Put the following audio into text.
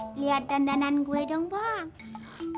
lihat dandanan gue dong bang